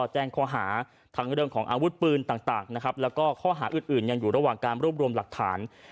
แจ้งข้อหาทั้งเรื่องของอาวุธปืนต่างนะครับแล้วก็ข้อหาอื่นยังอยู่ระหว่างการรวบรวมหลักฐาน